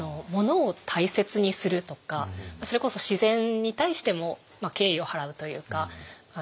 ものを大切にするとかそれこそ自然に対しても敬意を払うというか。